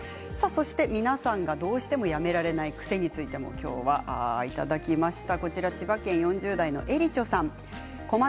皆さんがどうしてもやめられない癖についてもいただきました。